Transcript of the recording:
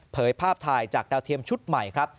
ภาพถ่ายจากดาวเทียมชุดใหม่ครับ